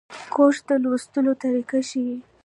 کورس د لوستلو طریقه ښيي.